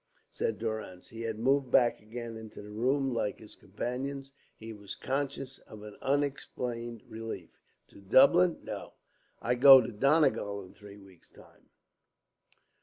said Durrance. He had moved back again into the room. Like his companions, he was conscious of an unexplained relief. "To Dublin? No; I go to Donegal in three weeks' time.